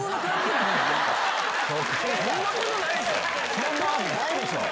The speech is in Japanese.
そんなことないでしょ！